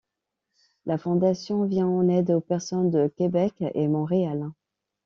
La fondation vient en aide aux personnes de Québec et Montréal.